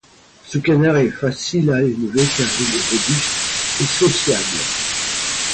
Ce canard est facile à élever car il est robuste et sociable.